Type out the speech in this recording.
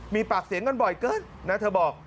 มีปากเสียงกันบ่อยเกินนะเธอบอก